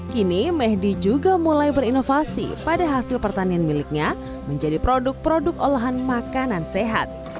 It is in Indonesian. kini mehdi juga mulai berinovasi pada hasil pertanian miliknya menjadi produk produk olahan makanan sehat